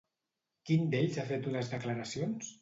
Quin d'ells ha fet unes declaracions?